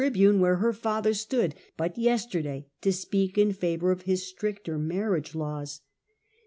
31— bune where her father stood but yesterday to speak in favour of his stricter marriage laws.